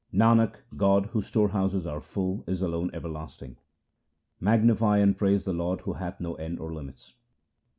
Nanak, God, whose storehouses are full, is alone ever lasting — Magnify and praise the Lord who hath no end or limits.